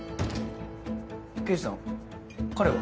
刑事さん彼は？